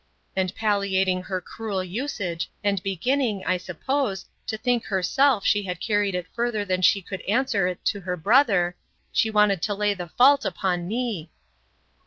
And palliating her cruel usage, and beginning, I suppose, to think herself she had carried it further than she could answer it to her brother, she wanted to lay the fault upon me.